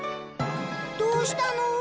どうしたの？